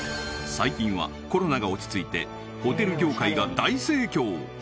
最近はコロナが落ち着いてホテル業界が大盛況！